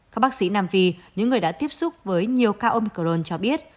các bác sĩ nam phi những người đã tiếp xúc với nhiều ca omicron cho biết